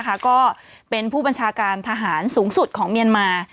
ก็เป็นผู้บัญชาการทหารสูงสุดของเมียนมา